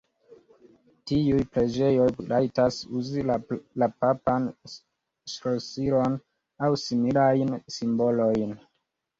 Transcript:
Tiuj preĝejoj rajtas uzi la papan ŝlosilon aŭ similajn simbolojn.